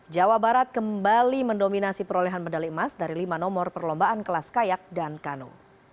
jawa barat kembali mendominasi perolehan medali emas dari lima nomor perlombaan kelas kayak dan kano